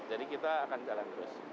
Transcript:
jadi kita akan jalan terus